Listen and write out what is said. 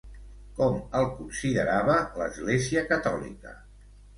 Com el considerava l'Església catòlica?